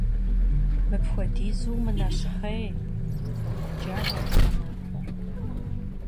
Мыпхуэдизу умынэщхъей, - йохъурджауэ абы гъэмахуэр.